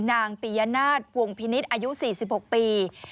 นางปียนาทวงพินิศอายุ๔๖ปี